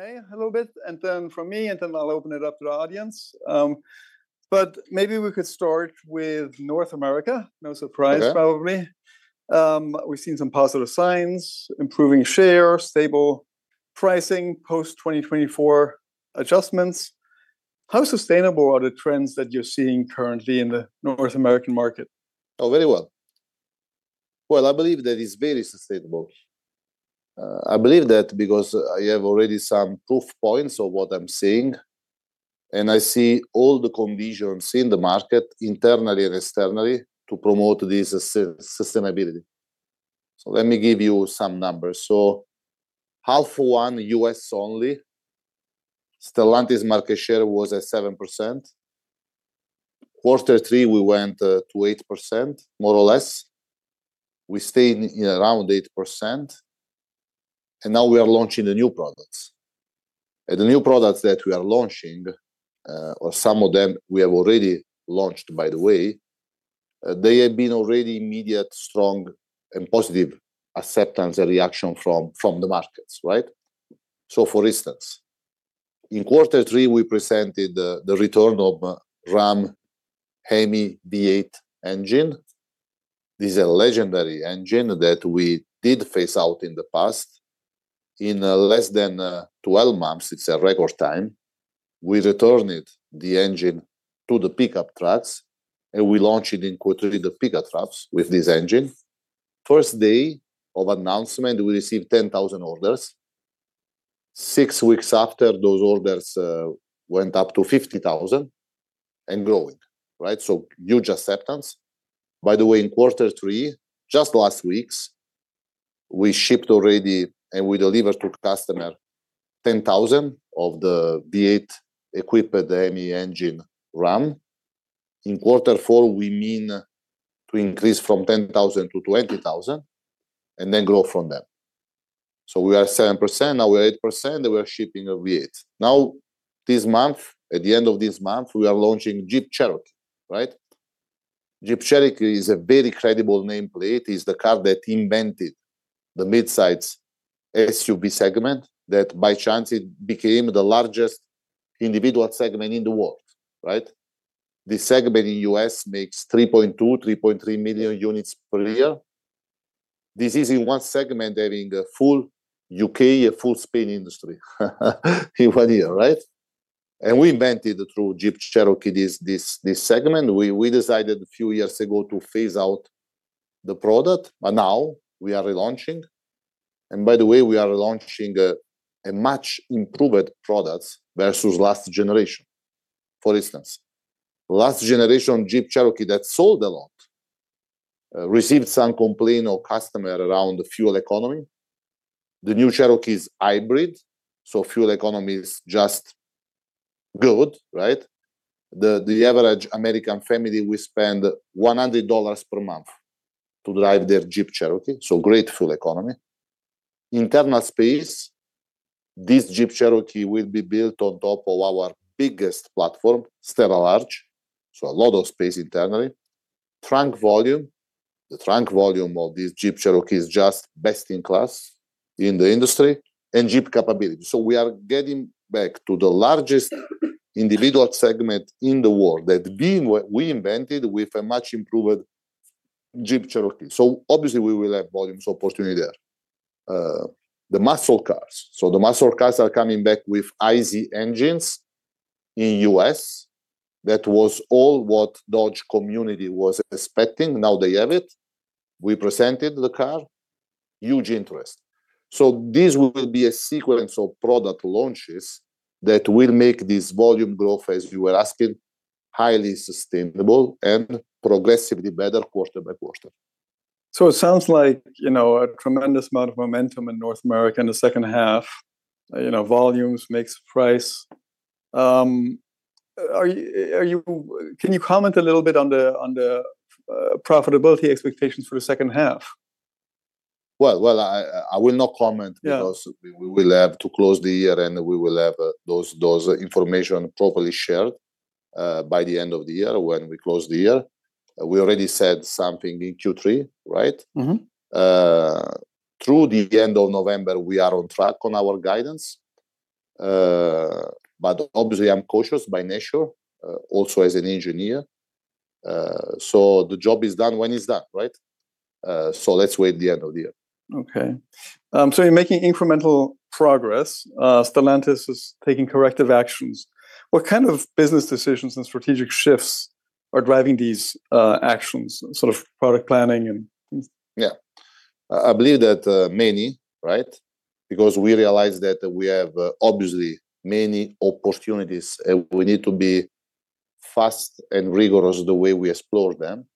A little bit, and then from me, and then I'll open it up to the audience. But maybe we could start with North America, no surprise, probably. We've seen some positive signs, improving shares, stable pricing, post-2024 adjustments. How sustainable are the trends that you're seeing currently in the North American market? Oh, very well. Well, I believe that it's very sustainable. I believe that because I have already some proof points of what I'm seeing, and I see all the conditions in the market, internally and externally, to promote this sustainability. So let me give you some numbers. So half one U.S. only, Stellantis market share was at 7%. Quarter three, we went to 8%, more or less. We stayed around 8%. And now we are launching the new products. And the new products that we are launching, or some of them we have already launched, by the way, they have been already immediate, strong, and positive acceptance and reaction from the markets, right? So for instance, in quarter three, we presented the return of Ram HEMI V8 engine. This is a legendary engine that we did phase out in the past. In less than 12 months, it's a record time, we returned the engine to the pickup trucks, and we launched it in quarter three, the pickup trucks with this engine. First day of announcement, we received 10,000 orders. Six weeks after, those orders went up to 50,000 and growing, right? So huge acceptance. By the way, in quarter three, just last weeks, we shipped already, and we delivered to customers 10,000 of the V8-equipped HEMI engine Ram. In quarter four, we mean to increase from 10,000 to 20,000 and then grow from them. So we are 7%, now we are 8%, and we are shipping a V8. Now, this month, at the end of this month, we are launching Jeep Cherokee, right? Jeep Cherokee is a very credible nameplate. It's the car that invented the midsize SUV segment, that by chance, it became the largest individual segment in the world, right? This segment in the U.S. makes 3.2 million-3.3 million units per year. This is in one segment having a full U.K., a full Spain industry in one year, right? And we invented through Jeep Cherokee this segment. We decided a few years ago to phase out the product, but now we are relaunching. And by the way, we are launching a much improved product versus last generation. For instance, last generation Jeep Cherokee that sold a lot received some complaints of customers around fuel economy. The new Cherokee is hybrid, so fuel economy is just good, right? The average American family, we spend $100 per month to drive their Jeep Cherokee, so great fuel economy. Internal space, this Jeep Cherokee will be built on top of our biggest platform, STLA Large, so a lot of space internally. Trunk volume, the trunk volume of this Jeep Cherokee is just best in class in the industry and Jeep capability. So we are getting back to the largest individual segment in the world that we invented with a much improved Jeep Cherokee. So obviously, we will have volumes opportunity there. The muscle cars, so the muscle cars are coming back with ICE engines in the U.S. That was all what the Dodge community was expecting. Now they have it. We presented the car. Huge interest. So this will be a sequence of product launches that will make this volume growth, as you were asking, highly sustainable and progressively better quarter by quarter. So it sounds like a tremendous amount of momentum in North America in the second half. Volumes makes price. Can you comment a little bit on the profitability expectations for the second half? Well, I will not comment because we will have to close the year, and we will have those information properly shared by the end of the year when we close the year. We already said something in Q3, right? Through the end of November, we are on track on our guidance. But obviously, I'm cautious by nature, also as an engineer. So the job is done when it's done, right? So let's wait the end of the year. Okay, so you're making incremental progress. Stellantis is taking corrective actions. What kind of business decisions and strategic shifts are driving these actions, sort of product planning and? Yeah. I believe that many, right? Because we realize that we have obviously many opportunities, and we need to be fast and rigorous the way we explore them.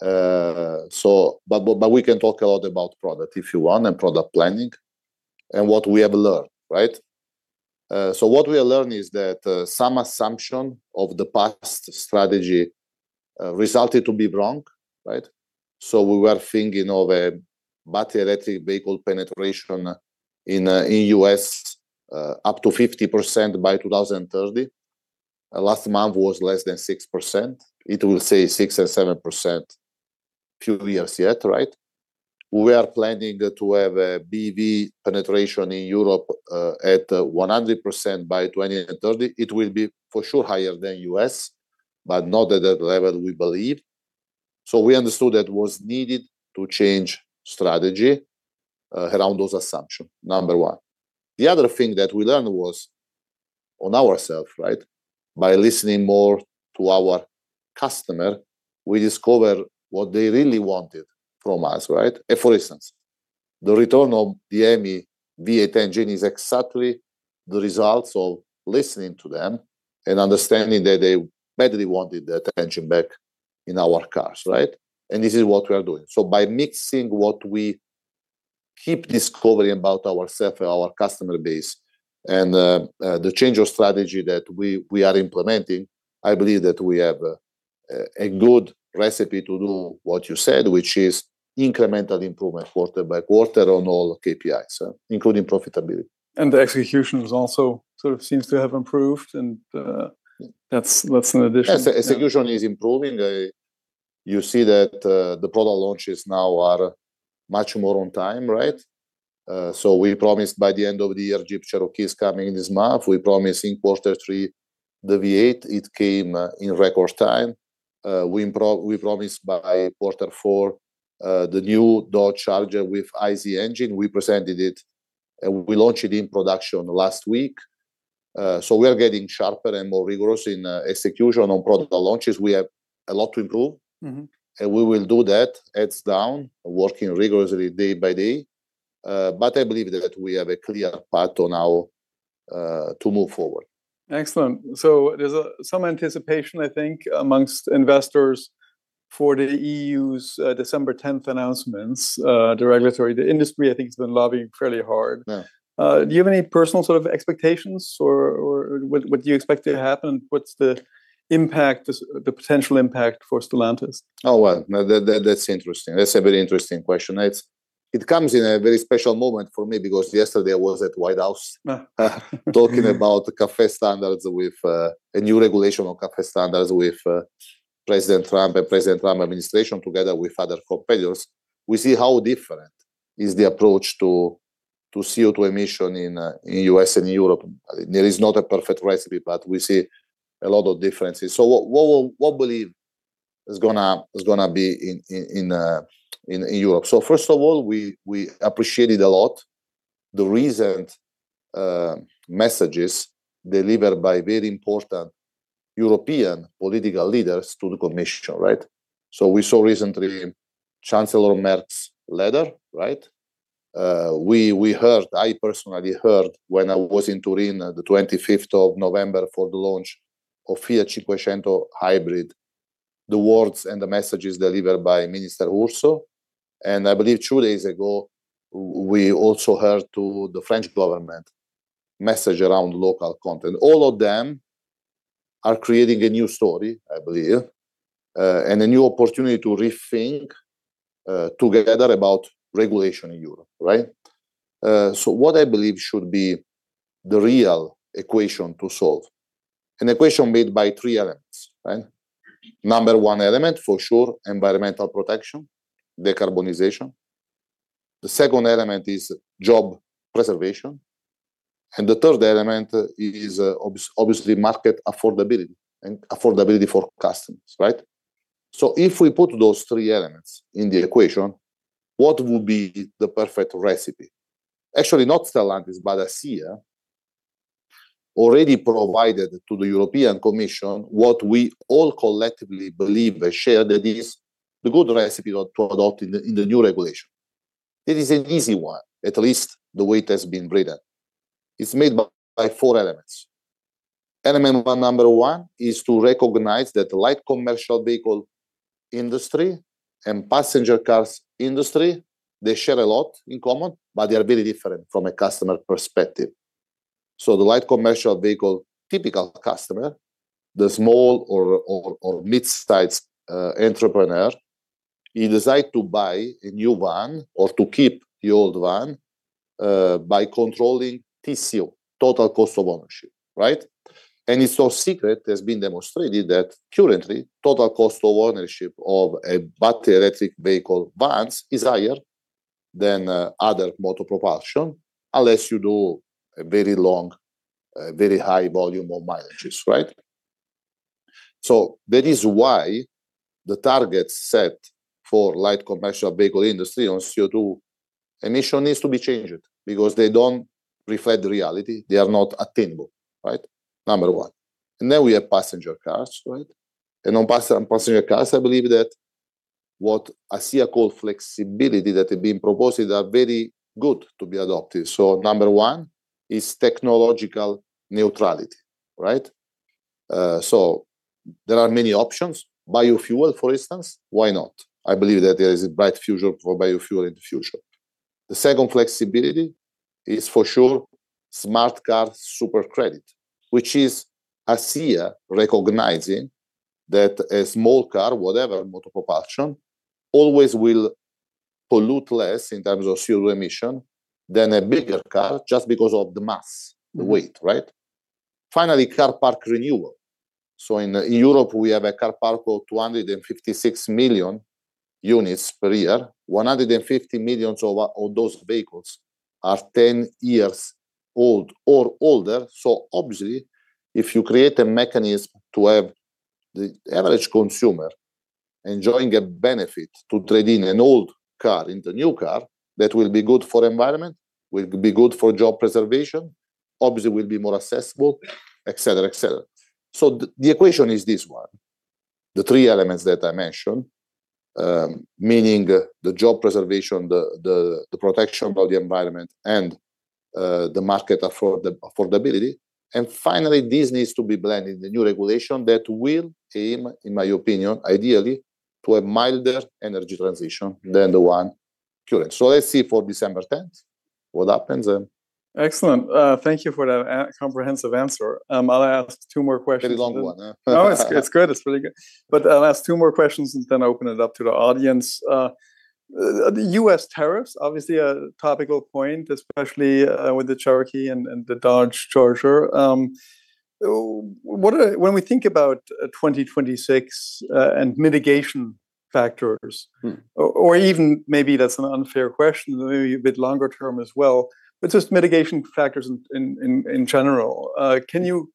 But we can talk a lot about product if you want and product planning and what we have learned, right? So what we have learned is that some assumption of the past strategy resulted to be wrong, right? So we were thinking of a battery electric vehicle penetration in the U.S. up to 50% by 2030. Last month was less than 6%. It will stay 6% and 7% a few years yet, right? We are planning to have a BEV penetration in Europe at 100% by 2030. It will be for sure higher than U.S., but not at that level, we believe. So we understood that was needed to change strategy around those assumptions, number one. The other thing that we learned was on ourselves, right? By listening more to our customers, we discover what they really wanted from us, right? For instance, the return of the HEMI V8 engine is exactly the results of listening to them and understanding that they badly wanted that engine back in our cars, right? And this is what we are doing. So by mixing what we keep discovering about ourselves and our customer base and the change of strategy that we are implementing, I believe that we have a good recipe to do what you said, which is incremental improvement quarter by quarter on all KPIs, including profitability. The execution also sort of seems to have improved, and that's an addition. Execution is improving. You see that the product launches now are much more on time, right? So we promised by the end of the year Jeep Cherokee is coming this month. We promised in quarter three the V8. It came in record time. We promised by quarter four the new Dodge Charger with ICE engine. We presented it, and we launched it in production last week. So we are getting sharper and more rigorous in execution on product launches. We have a lot to improve, and we will do that heads down, working rigorously day by day. But I believe that we have a clear path to move forward. Excellent. So there's some anticipation, I think, among investors for the EU's December 10th announcements. The regulatory, the industry, I think, has been lobbying fairly hard. Do you have any personal sort of expectations, or what do you expect to happen, and what's the impact, the potential impact for Stellantis? Oh, well, that's interesting. That's a very interesting question. It comes in a very special moment for me because yesterday I was at White House talking about CAFE standards with a new regulation on CAFE standards with President Trump and President Trump administration together with other competitors. We see how different is the approach to CO2 emission in the U.S. and in Europe. There is not a perfect recipe, but we see a lot of differences. So what we believe is going to be in Europe. So first of all, we appreciate it a lot, the recent messages delivered by very important European political leaders to the commission, right? So we saw recently Chancellor Merz's letter, right? We heard, I personally heard when I was in Turin on the 25th of November for the launch of Fiat 500 Hybrid, the words and the messages delivered by Minister Urso. And I believe two days ago, we also heard the French government message around local content. All of them are creating a new story, I believe, and a new opportunity to rethink together about regulation in Europe, right? So what I believe should be the real equation to solve, an equation made by three elements, right? Number one element, for sure, environmental protection, decarbonization. The second element is job preservation. And the third element is obviously market affordability and affordability for customers, right? So if we put those three elements in the equation, what would be the perfect recipe? Actually, not Stellantis, but ACEA already provided to the European Commission what we all collectively believe and share that is the good recipe to adopt in the new regulation. It is an easy one, at least the way it has been written. It's made by four elements. Element number one is to recognize that the light commercial vehicle industry and passenger cars industry, they share a lot in common, but they are very different from a customer perspective. So the light commercial vehicle typical customer, the small or mid-sized entrepreneur, he decides to buy a new one or to keep the old one by controlling TCO, total cost of ownership, right? And it's no secret, it has been demonstrated that currently, total cost of ownership of a battery electric vehicle vans is higher than other motor propulsion unless you do a very long, very high volume of mileages, right? So that is why the targets set for light commercial vehicle industry on CO2 emission needs to be changed because they don't reflect the reality. They are not attainable, right? Number one. And then we have passenger cars, right? On passenger cars, I believe that what ACEA called flexibility that has been proposed is very good to be adopted. So number one is technological neutrality, right? So there are many options. Biofuel, for instance, why not? I believe that there is a bright future for biofuel in the future. The second flexibility is for sure small car super credit, which is ACEA recognizing that a small car, whatever motor propulsion, always will pollute less in terms of CO2 emission than a bigger car just because of the mass, the weight, right? Finally, car parc renewal. So in Europe, we have a car parc of 256 million units per year. 150 million of those vehicles are 10 years old or older. So obviously, if you create a mechanism to have the average consumer enjoying a benefit to trade in an old car into a new car, that will be good for the environment, will be good for job preservation, obviously will be more accessible, et cetera, et cetera. So the equation is this one, the three elements that I mentioned, meaning the job preservation, the protection of the environment, and the market affordability. And finally, this needs to be blended in the new regulation that will aim, in my opinion, ideally, to a milder energy transition than the one current. So let's see for December 10th what happens. Excellent. Thank you for that comprehensive answer. I'll ask two more questions. Very long one. No, it's good. It's pretty good. But I'll ask two more questions, and then I'll open it up to the audience. The U.S. tariffs, obviously a topical point, especially with the Cherokee and the Dodge Charger. When we think about 2026 and mitigation factors, or even maybe that's an unfair question, maybe a bit longer term as well, but just mitigation factors in general, can you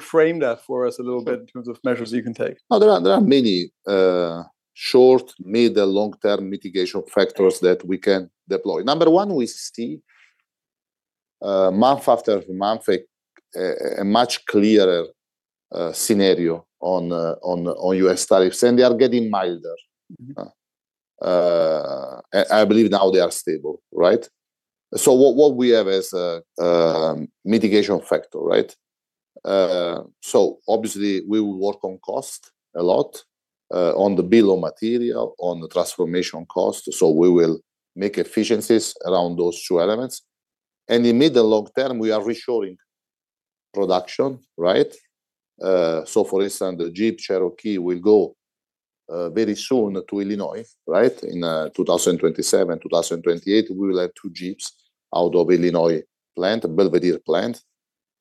frame that for us a little bit in terms of measures you can take? There are many short, mid, and long-term mitigation factors that we can deploy. Number one, we see month after month a much clearer scenario on U.S. tariffs, and they are getting milder. I believe now they are stable, right? So what we have as a mitigation factor, right? So obviously, we will work on cost a lot, on the bill of materials, on the transformation cost. So we will make efficiencies around those two elements. And in the mid and long term, we are reshoring production, right? So for instance, the Jeep Cherokee will go very soon to Illinois, right? In 2027, 2028, we will have two Jeeps out of Illinois plant, Belvidere plant.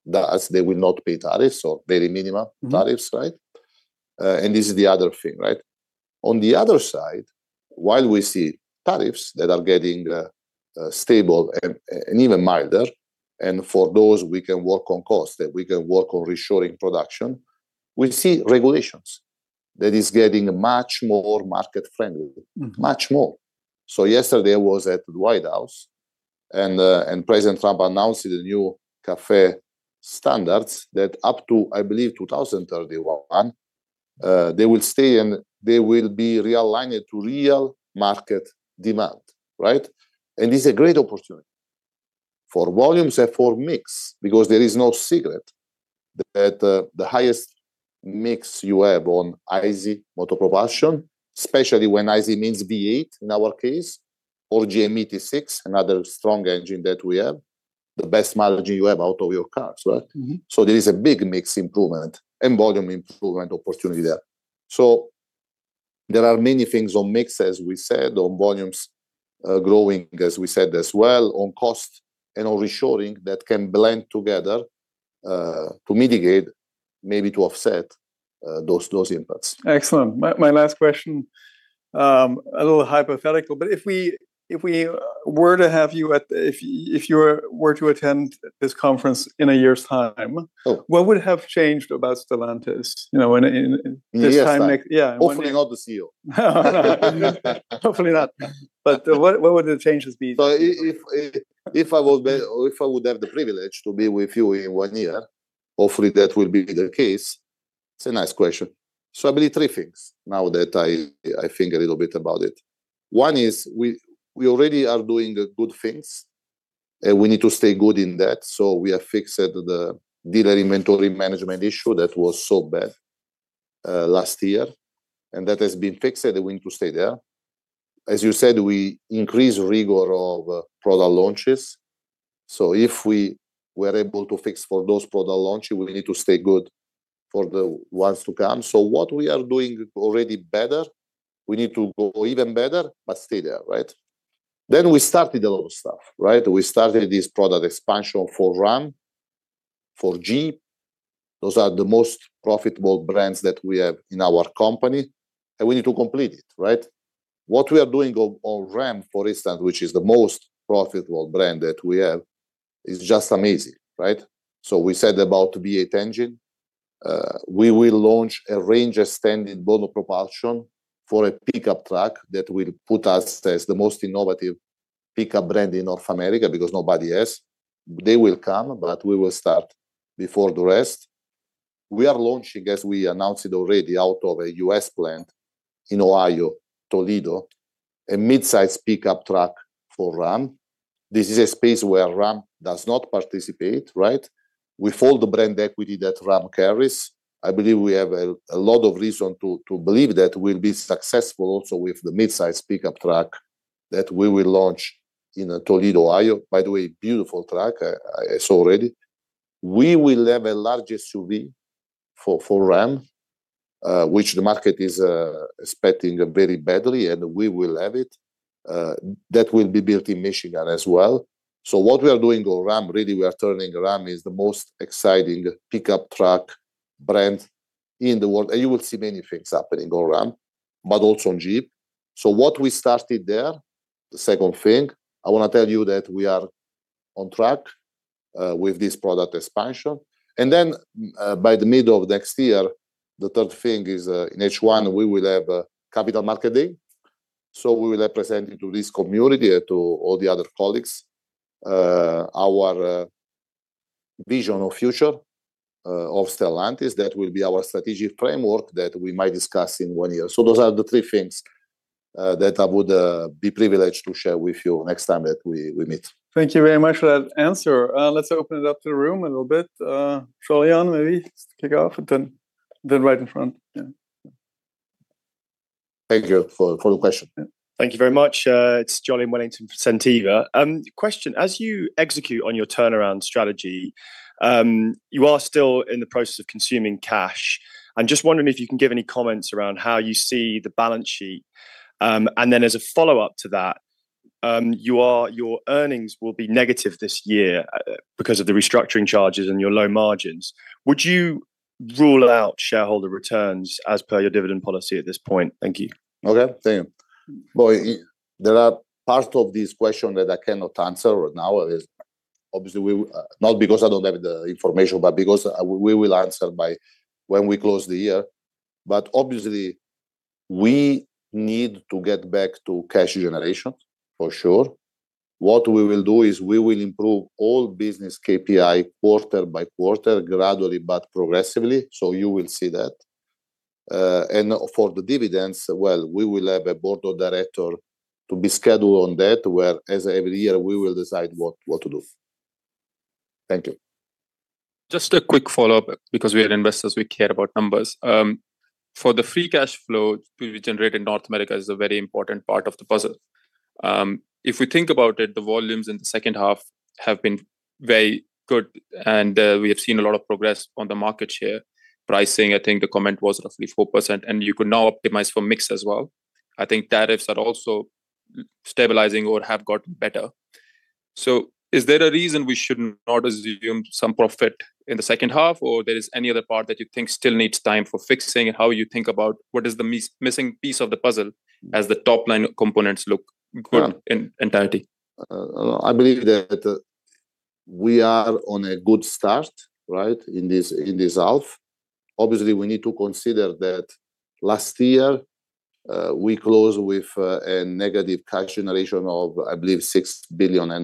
They will not pay tariffs or very minimal tariffs, right? And this is the other thing, right? On the other side, while we see tariffs that are getting stable and even milder, and for those, we can work on cost and we can work on reshoring production, we see regulations that are getting much more market-friendly, much more. Yesterday, I was at the White House, and President Trump announced the new CAFE standards that up to, I believe, 2031, they will stay and they will be realigned to real market demand, right? And it's a great opportunity for volumes and for mix because there is no secret that the highest mix you have on ICE motor propulsion, especially when ICE means V8 in our case, or GME-T6, another strong engine that we have, the best mileage you have out of your cars, right? So there is a big mix improvement and volume improvement opportunity there. So there are many things on mixes, as we said, on volumes growing, as we said as well, on cost and on reshoring that can blend together to mitigate, maybe to offset those impacts. Excellent. My last question, a little hypothetical, but if you were to attend this conference in a year's time, what would have changed about Stellantis in this time? Hopefully not ACEA. Hopefully not, but what would the changes be? So if I would have the privilege to be with you in one year, hopefully that will be the case. It's a nice question. So I believe three things now that I think a little bit about it. One is we already are doing good things, and we need to stay good in that. So we have fixed the dealer inventory management issue that was so bad last year, and that has been fixed, and we need to stay there. As you said, we increase rigor of product launches. So if we were able to fix for those product launches, we need to stay good for the ones to come. So what we are doing already better, we need to go even better, but stay there, right? Then we started a lot of stuff, right? We started this product expansion for Ram, for Jeep. Those are the most profitable brands that we have in our company, and we need to complete it, right? What we are doing on Ram, for instance, which is the most profitable brand that we have, is just amazing, right? So we said about the V8 engine, we will launch a range extended motor propulsion for a pickup truck that will put us as the most innovative pickup brand in North America because nobody has. They will come, but we will start before the rest. We are launching, as we announced it already, out of a U.S. plant in Toledo, Ohio, a midsize pickup truck for Ram. This is a space where Ram does not participate, right? With all the brand equity that Ram carries, I believe we have a lot of reason to believe that we'll be successful also with the midsize pickup truck that we will launch in Toledo, Ohio. By the way, beautiful truck, I saw already. We will have a large SUV for Ram, which the market is expecting very badly, and we will have it. That will be built in Michigan as well. So what we are doing on Ram, really, we are turning Ram is the most exciting pickup truck brand in the world. And you will see many things happening on Ram, but also on Jeep. So what we started there, the second thing, I want to tell you that we are on track with this product expansion. And then by the middle of next year, the third thing is in H1, we will have Capital Markets Day. So we will represent it to this community and to all the other colleagues, our vision of future of Stellantis that will be our strategic framework that we might discuss in one year. So those are the three things that I would be privileged to share with you next time that we meet. Thank you very much for that answer. Let's open it up to the room a little bit. Jolyon, maybe kick off and then right in front. Thank you for the question. Thank you very much. It's Jolyon Wellington from Centiva. Question, as you execute on your turnaround strategy, you are still in the process of consuming cash. I'm just wondering if you can give any comments around how you see the balance sheet. And then as a follow-up to that, your earnings will be negative this year because of the restructuring charges and your low margins. Would you rule out shareholder returns as per your dividend policy at this point? Thank you. Okay. Thank you. Boy, there are parts of this question that I cannot answer right now. Obviously, not because I don't have the information, but because we will answer by when we close the year. But obviously, we need to get back to cash generation, for sure. What we will do is we will improve all business KPI quarter by quarter, gradually, but progressively. So you will see that. And for the dividends, well, we will have a board of directors to be scheduled on that where, as every year, we will decide what to do. Thank you. Just a quick follow-up because we are investors, we care about numbers. For the free cash flow to be generated in North America is a very important part of the puzzle. If we think about it, the volumes in the second half have been very good, and we have seen a lot of progress on the market share pricing. I think the comment was roughly 4%, and you could now optimize for mix as well. I think tariffs are also stabilizing or have gotten better. So is there a reason we should not assume some profit in the second half, or there is any other part that you think still needs time for fixing? How do you think about what is the missing piece of the puzzle as the top line components look good in entirety? I believe that we are on a good start, right, in this half. Obviously, we need to consider that last year, we closed with a negative cash generation of, I believe, 6.6 billion, I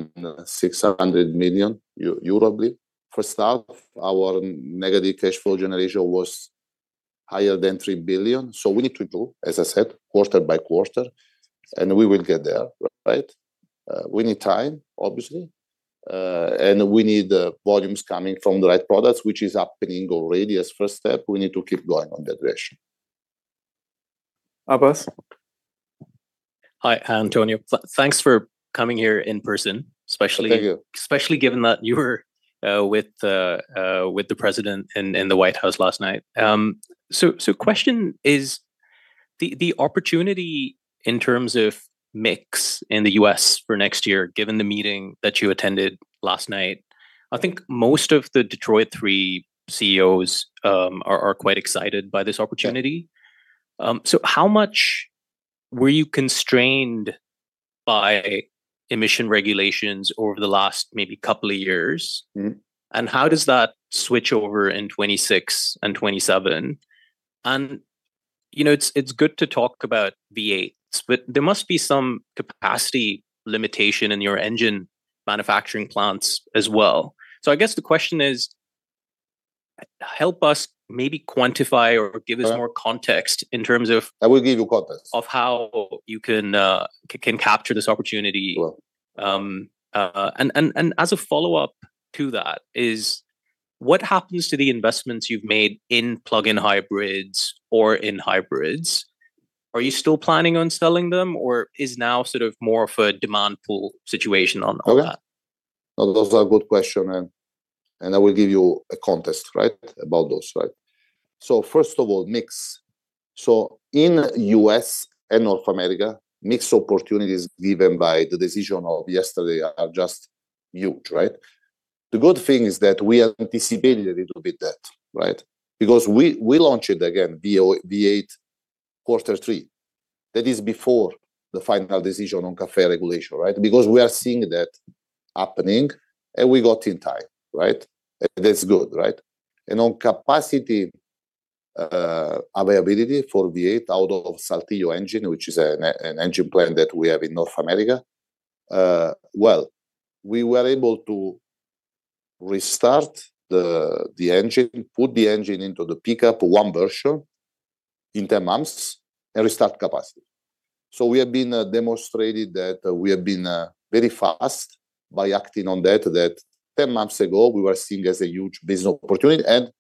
believe. First half, our negative cash flow generation was higher than 3 billion. So we need to go, as I said, quarter by quarter, and we will get there, right? We need time, obviously, and we need volumes coming from the right products, which is happening already as a first step. We need to keep going on that direction. Hi, Antonio. Thanks for coming here in person, especially given that you were with the president in the White House last night. So the question is the opportunity in terms of mix in the U.S. for next year, given the meeting that you attended last night. I think most of the Detroit Three CEOs are quite excited by this opportunity. So how much were you constrained by emission regulations over the last maybe couple of years? And how does that switch over in 2026 and 2027? And it's good to talk about V8s, but there must be some capacity limitation in your engine manufacturing plants as well. So I guess the question is, help us maybe quantify or give us more context in terms of. I will give you context. Of how you can capture this opportunity. And as a follow-up to that, what happens to the investments you've made in plug-in hybrids or in hybrids? Are you still planning on selling them, or is now sort of more of a demand-pull situation on that? Those are good questions, and I will give you a context, right, about those, right? So first of all, mix. So in the U.S. and North America, mixed opportunities given by the decision of yesterday are just huge, right? The good thing is that we anticipated a little bit that, right? Because we launched it again, V8 quarter three. That is before the final decision on CAFE regulation, right? Because we are seeing that happening, and we got in time, right? And that's good, right? And on capacity availability for V8 out of Saltillo Engine, which is an engine plant that we have in North America, well, we were able to restart the engine, put the engine into the pickup, one version in 10 months, and restart capacity. So we have been demonstrated that we have been very fast by acting on that, that 10 months ago, we were seeing as a huge business opportunity, and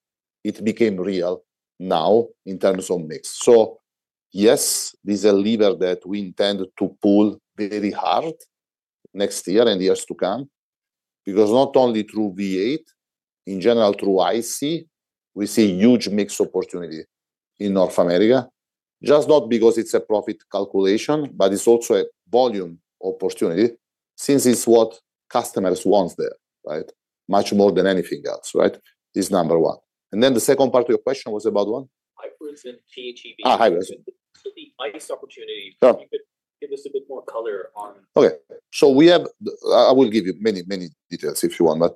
it became real now in terms of mix. So yes, this is a lever that we intend to pull very hard next year and years to come. Because not only through V8, in general, through ICE, we see huge mix opportunity in North America. Just not because it's a profit calculation, but it's also a volume opportunity since it's what customers want there, right? Much more than anything else, right? This is number one. And then the second part of your question was about what? Hybrids and PHEVs. Hybrids. The ICE opportunity. Can you give us a bit more color on? Okay. So I will give you many, many details if you want, but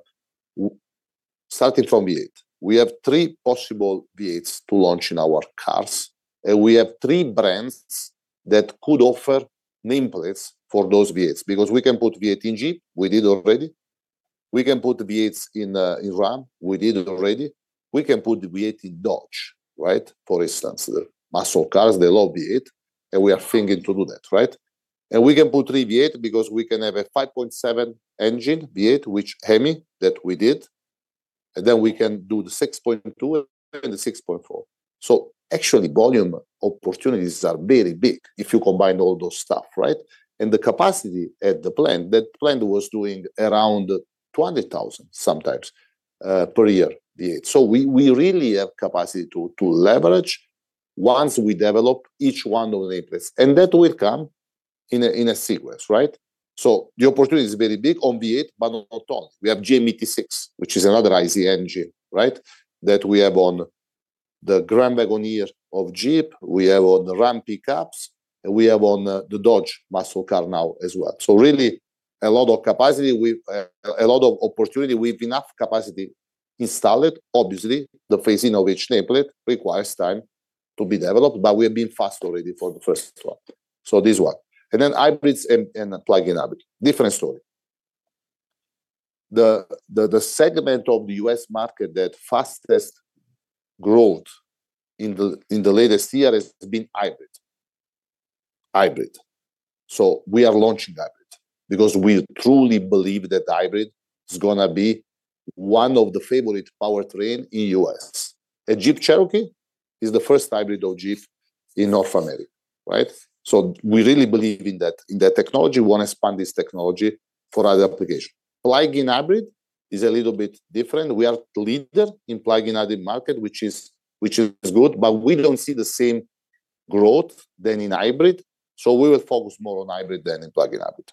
starting from V8, we have three possible V8s to launch in our cars. And we have three brands that could offer nameplates for those V8s because we can put V8 in Jeep, we did already. We can put V8s in Ram, we did already. We can put the V8 in Dodge, right? For instance, muscle cars, they love V8, and we are thinking to do that, right? And we can put three V8s because we can have a 5.7 engine V8, which HEMI that we did. And then we can do the 6.2 and the 6.4. So actually, volume opportunities are very big if you combine all those stuff, right? And the capacity at the plant, that plant was doing around 20,000 sometimes per year, V8. We really have capacity to leverage once we develop each one of the nameplates. And that will come in a sequence, right? So the opportunity is very big on V8, but not only. We have GME T6, which is another ICE engine, right? That we have on the Grand Wagoneer of Jeep, we have on the Ram pickups, and we have on the Dodge muscle car now as well. So really, a lot of capacity, a lot of opportunity. We have enough capacity installed. Obviously, the phasing of each nameplate requires time to be developed, but we have been fast already for the first one. So this one. And then hybrids and plug-in hybrid. Different story. The segment of the US market that fastest growth in the latest year has been hybrid. Hybrid. So we are launching hybrid because we truly believe that hybrid is going to be one of the favorite powertrains in the U.S. A Jeep Cherokee is the first hybrid of Jeep in North America, right? So we really believe in that technology. We want to expand this technology for other applications. Plug-in hybrid is a little bit different. We are the leader in plug-in hybrid market, which is good, but we don't see the same growth than in hybrid. So we will focus more on hybrid than in plug-in hybrid.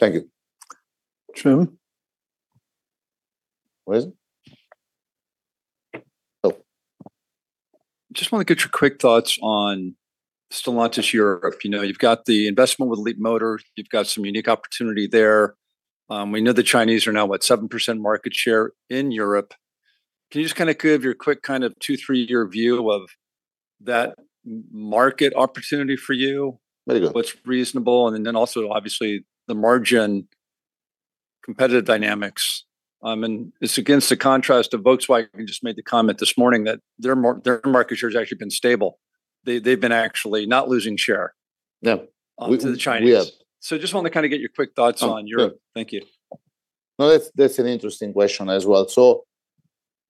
Thank you. Jim? What is it? Just want to get your quick thoughts on Stellantis Europe. You've got the investment with Leapmotor. You've got some unique opportunity there. We know the Chinese are now, what, 7% market share in Europe. Can you just kind of give your quick kind of two, three-year view of that market opportunity for you? Very good. What's reasonable? And then also, obviously, the margin, competitive dynamics. And it's against the contrast of Volkswagen, who just made the comment this morning that their market share has actually been stable. They've been actually not losing share to the Chinese. So just want to kind of get your quick thoughts on Europe. Thank you. No, that's an interesting question as well. So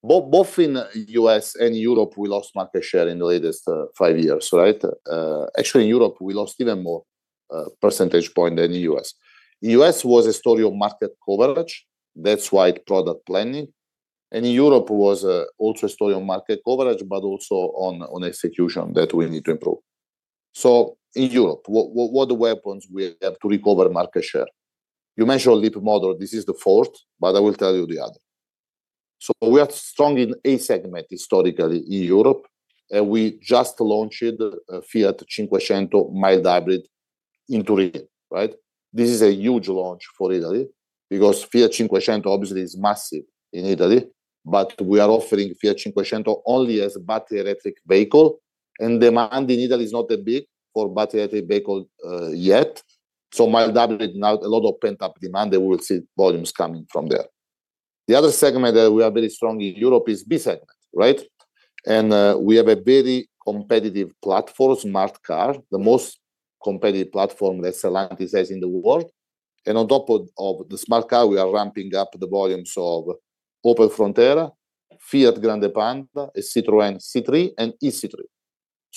both in the U.S. and Europe, we lost market share in the latest five years, right? Actually, in Europe, we lost even more percentage points than in the U.S. In the U.S., it was a story of market coverage. That's why it's product planning. And in Europe, it was also a story of market coverage, but also on execution that we need to improve. So in Europe, what weapons do we have to recover market share? You mentioned Leapmotor. This is the fourth, but I will tell you the other. So we are strong in A segment historically in Europe. And we just launched a Fiat 500 mild hybrid in Turin, right? This is a huge launch for Italy because Fiat 500, obviously, is massive in Italy. But we are offering Fiat 500 only as a battery electric vehicle. Demand in Italy is not that big for battery electric vehicle yet. Mild hybrid has a lot of pent-up demand, and we will see volumes coming from there. The other segment that we are very strong in Europe is B segment, right? We have a very competitive platform, Smart Car, the most competitive platform that Stellantis has in the world. On top of the Smart Car, we are ramping up the volumes of Opel Frontera, Fiat Grande Panda, Citroën C3, and e-C3.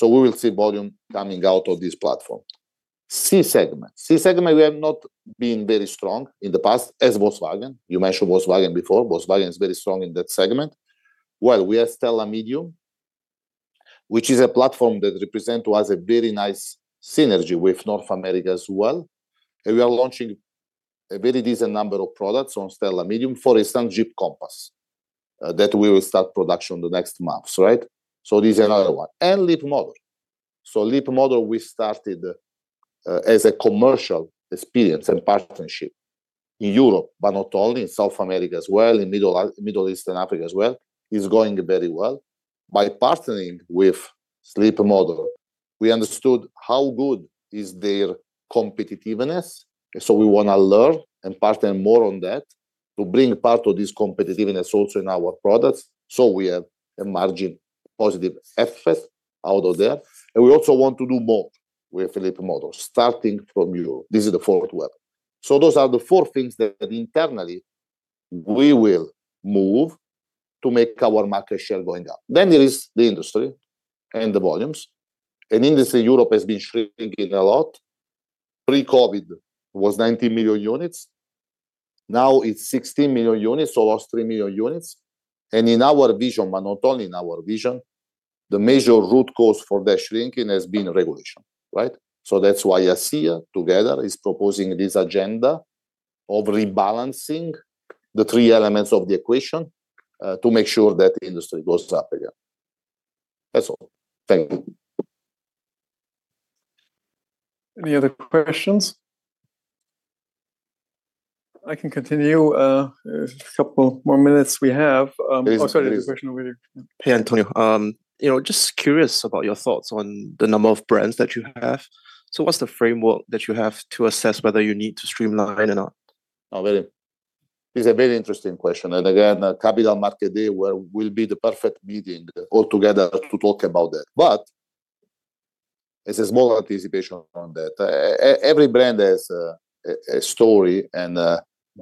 We will see volume coming out of this platform. C segment. C segment, we have not been very strong in the past, as Volkswagen. You mentioned Volkswagen before. Volkswagen is very strong in that segment. We have STLA Medium, which is a platform that represents to us a very nice synergy with North America as well. And we are launching a very decent number of products on STLA Medium. For instance, Jeep Compass that we will start production in the next months, right? So this is another one. And Leapmotor. So Leapmotor, we started as a commercial experience and partnership in Europe, but not only, in South America as well, in Middle East and Africa as well, is going very well. By partnering with Leapmotor, we understood how good is their competitiveness. So we want to learn and partner more on that to bring part of this competitiveness also in our products. So we have a margin positive effort out of there. And we also want to do more with Leapmotor, starting from Europe. This is the fourth one. So those are the four things that internally we will move to make our market share going up. Then there is the industry and the volumes, and industry in Europe has been shrinking a lot. Pre-COVID, it was 19 million units. Now it's 16 million units, so lost 3 million units. In our vision, but not only in our vision, the major root cause for that shrinking has been regulation, right? So that's why ACEA, together, is proposing this agenda of rebalancing the three elements of the equation to make sure that the industry goes up again. That's all. Thank you. Any other questions? I can continue. A couple more minutes we have. Hey, Antonio. Just curious about your thoughts on the number of brands that you have. So what's the framework that you have to assess whether you need to streamline or not? Oh, really? It's a very interesting question, and again, Capital Markets Day will be the perfect meeting all together to talk about that, but it's a small anticipation on that.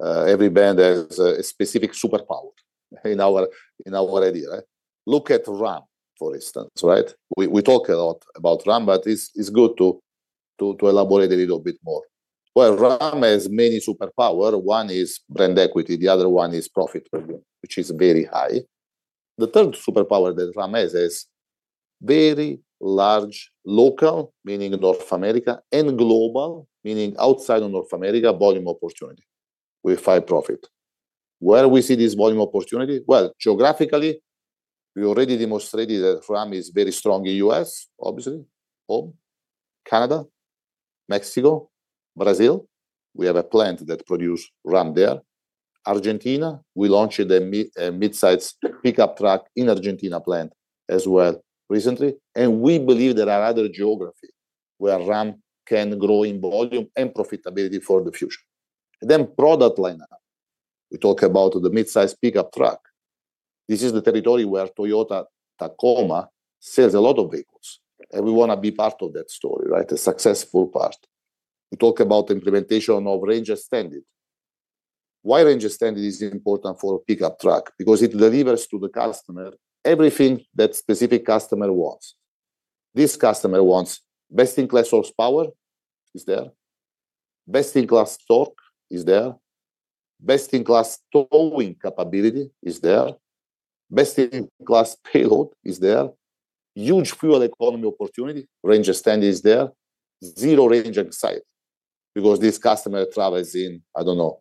Every brand has a story, and every brand has a specific superpower in our idea, right? Look at Ram, for instance, right? We talk a lot about Ram, but it's good to elaborate a little bit more. Well, Ram has many superpowers. One is brand equity. The other one is profit per unit, which is very high. The third superpower that Ram has is very large local, meaning North America, and global, meaning outside of North America, volume opportunity with high profit. Where we see this volume opportunity? Well, geographically, we already demonstrated that Ram is very strong in the U.S., obviously, home, Canada, Mexico, Brazil. We have a plant that produces Ram there. Argentina, we launched a midsize pickup truck in Argentina plant as well recently. And we believe there are other geographies where Ram can grow in volume and profitability for the future. Then product lineup. We talk about the midsize pickup truck. This is the territory where Toyota Tacoma sells a lot of vehicles. And we want to be part of that story, right? A successful part. We talk about the implementation of Ramcharger. Why Ramcharger is important for a pickup truck? Because it delivers to the customer everything that specific customer wants. This customer wants best-in-class horsepower, is there. Best-in-class torque is there. Best-in-class towing capability is there. Best-in-class payload is there. Huge fuel economy opportunity. Ramcharger is there. Zero range anxiety. Because this customer travels in, I don't know,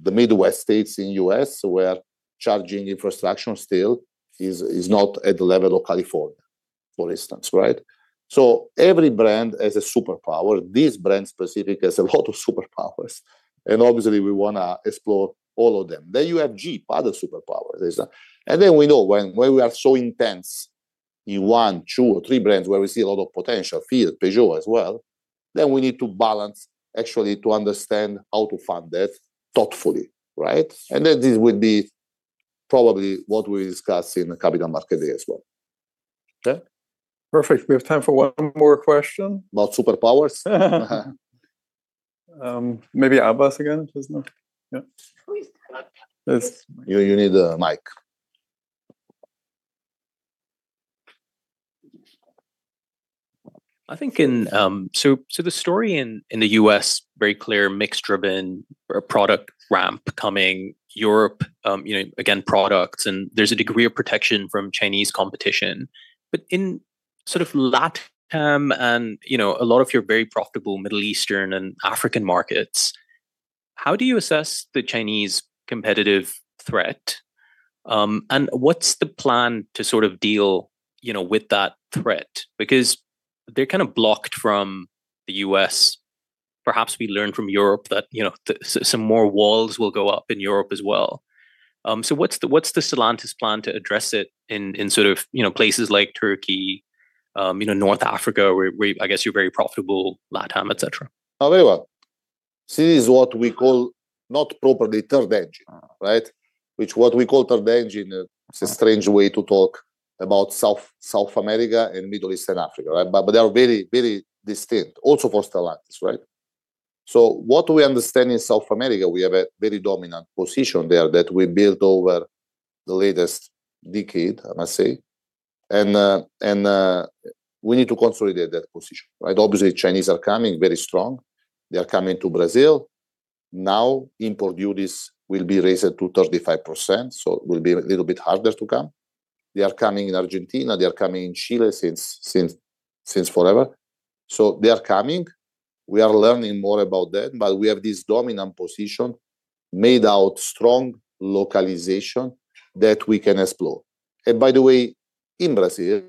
the Midwest states in the U.S. where charging infrastructure still is not at the level of California, for instance, right? So every brand has a superpower. This brand specific has a lot of superpowers. And obviously, we want to explore all of them. Then you have Jeep, other superpowers. And then we know when we are so intense in one, two, or three brands where we see a lot of potential, Fiat and Peugeot as well, then we need to balance actually to understand how to fund that thoughtfully, right? And then this would be probably what we discuss in Capital Markets Day as well. Okay? Perfect. We have time for one more question. About superpowers? Maybe Abbas again? You need the mic. I think in so the story in the U.S., very clear mixed-driven product ramp coming. Europe, again, products, and there's a degree of protection from Chinese competition, but in sort of Latin and a lot of your very profitable Middle Eastern and African markets, how do you assess the Chinese competitive threat, and what's the plan to sort of deal with that threat, because they're kind of blocked from the U.S. Perhaps we learned from Europe that some more walls will go up in Europe as well, so what's the Stellantis plan to address it in sort of places like Turkey, North Africa, where I guess you're very profitable, Latam, etc.? Very well. This is what we call not properly Third Engine, right? Which what we call Third Engine, it's a strange way to talk about South America and Middle Eastern Africa, right? But they are very, very distinct. Also for Stellantis, right? So what we understand in South America, we have a very dominant position there that we built over the latest decade, I must say. And we need to consolidate that position, right? Obviously, Chinese are coming very strong. They are coming to Brazil. Now import duties will be raised to 35%, so it will be a little bit harder to come. They are coming in Argentina. They are coming in Chile since forever. So they are coming. We are learning more about that, but we have this dominant position made out strong localization that we can explore. And by the way, in Brazil,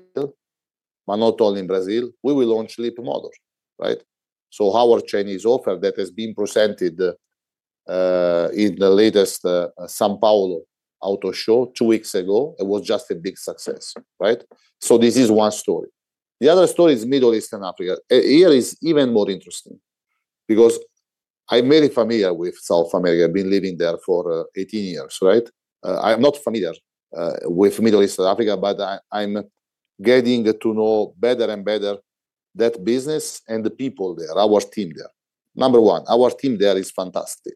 but not only in Brazil, we will launch Leapmotor, right? So our Chinese offer that has been presented in the latest São Paulo Auto Show two weeks ago, it was just a big success, right? So this is one story. The other story is Middle East and Africa. Here is even more interesting because I'm very familiar with South America. I've been living there for 18 years, right? I'm not familiar with Middle East and Africa, but I'm getting to know better and better that business and the people there, our team there. Number one, our team there is fantastic,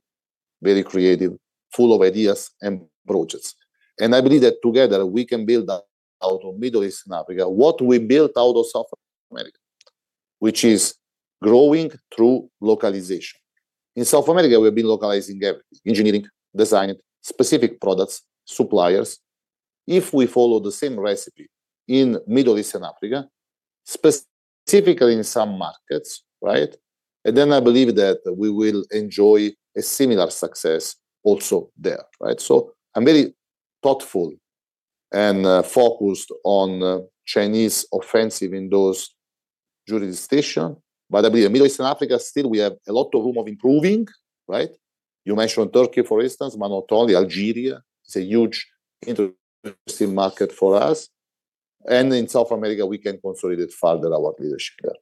very creative, full of ideas and projects. And I believe that together we can build out of Middle East and Africa what we built out of South America, which is growing through localization. In South America, we have been localizing everything: engineering, design, specific products, suppliers. If we follow the same recipe in Middle East and Africa, specifically in some markets, right? And then I believe that we will enjoy a similar success also there, right? So I'm very thoughtful and focused on Chinese offensive in those jurisdictions. But I believe in Middle East and Africa, still we have a lot of room of improving, right? You mentioned Turkey, for instance, but not only Algeria. It's a huge interesting market for us. And in South America, we can consolidate further our leadership there.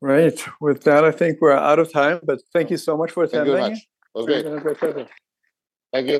Right. With that, I think we're out of time, but thank you so much for attending. Thank you very much. Have a great day. Thank you.